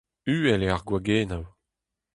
Uhel eo ar gwagennoù.